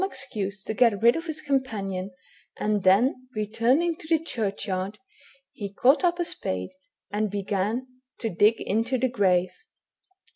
excuse to get rid of his companion, and then returning to the churchyard, he caught up a spade and began to dig into the grave.